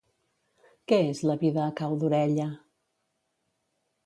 Què és La vida a cau d'orella?